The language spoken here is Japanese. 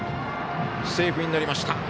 セーフになりました。